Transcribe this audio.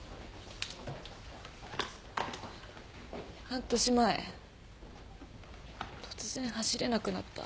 半年前突然走れなくなった。